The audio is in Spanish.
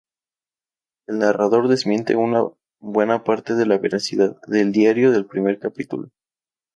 El narrador desmiente una buena parte de la veracidad del diario del primer capítulo.